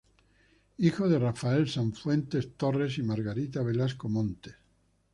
Hijo de Rafael Sanfuentes Torres y Margarita Velasco Montes.